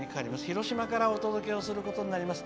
広島からお届けすることになります。